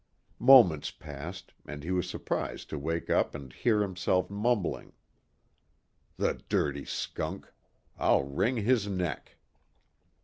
Moments passed and he was surprised to wake up and hear himself mumbling. "The dirty skunk! I'll wring his neck!"